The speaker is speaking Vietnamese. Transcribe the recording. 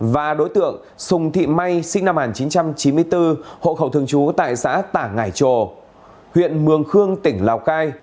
và đối tượng sùng thị may sinh năm một nghìn chín trăm chín mươi bốn hộ khẩu thường trú tại xã tả ngải trồ huyện mường khương tỉnh lào cai